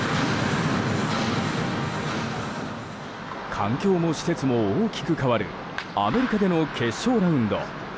環境も施設も大きく変わるアメリカでの決勝ラウンド。